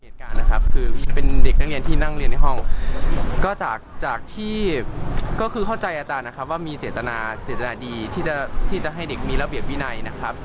ท่านเป็นอย่างนี้ตลอดหรือเปล่าครับ